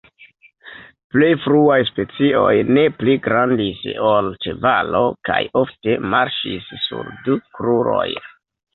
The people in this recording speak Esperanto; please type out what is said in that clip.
Plej fruaj specioj ne pli grandis ol ĉevalo kaj ofte marŝis sur du kruroj.